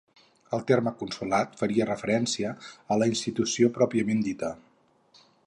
El terme consolat faria referència a la institució pròpiament dita.